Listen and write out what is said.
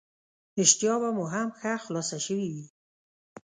اشتها به مو هم ښه خلاصه شوې وي.